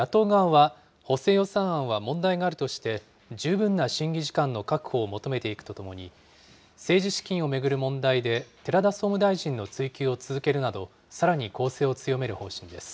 一方、野党側は、補正予算案は問題があるとして、十分な審議時間の確保を求めていくとともに、政治資金を巡る問題で、寺田総務大臣の追及を続けるなど、さらに攻勢を強める方針です。